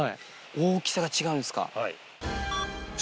大きさが違うんすか。